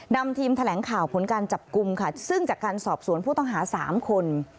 นำทีมแถลงข่าวผลการจับกลุ่มค่ะซึ่งจากการสอบสวนผู้ต้องหา๓คน